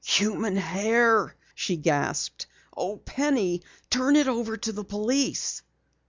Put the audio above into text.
"Human hair " she gasped. "Oh, Penny! Turn it over to the police!"